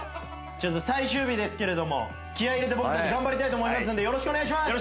最終日ですけれども気合い入れて僕たち頑張りたいと思いますんでよろしくお願いします！